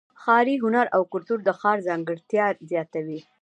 ښاري هنر او کلتور د ښار ځانګړتیا زیاتوي.